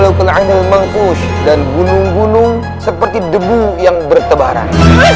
lalu kelahiran mengkut dan gunung gunung seperti debu yang bertebaran